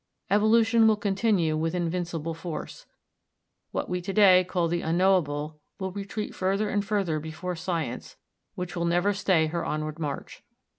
Evolution will continue with invincible force. What we to day call the unknowable, will retreat further and further before science, which will never stay her onward march.